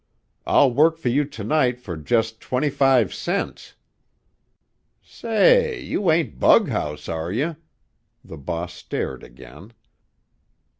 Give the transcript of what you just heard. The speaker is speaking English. "I'll work for you to night for just twenty five cents." "Say, you ain't bughouse, are you?" The boss stared again.